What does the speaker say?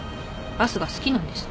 バスが好きなんです。